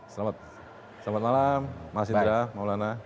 selamat malam mas indra maulana